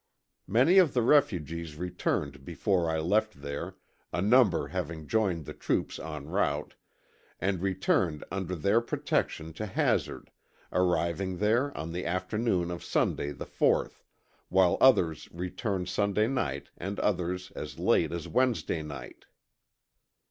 Many of the refugees returned before I left there, a number having joined the troops en route, and returned under their protection to Hazard, arriving there on the afternoon of Sunday, the 4th, while others returned Sunday night and others as late as Wednesday night.